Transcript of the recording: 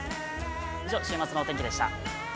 以上、週末のお天気でした。